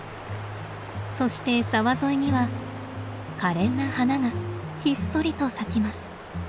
そして沢沿いにはかれんな花がひっそりと咲きます。